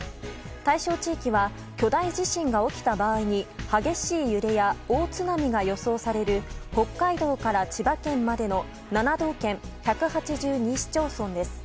対象地域は巨大地震が起きた場合に激しい揺れや大津波が予想される北海道から千葉県までの７道県１８２市町村です。